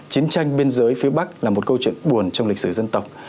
chiến tranh biên giới phía bắc là một câu chuyện buồn trong lịch sử dân tộc